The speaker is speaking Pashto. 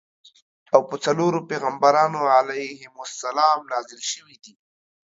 او په څلورو پیغمبرانو علیهم السلام نازل شویدي.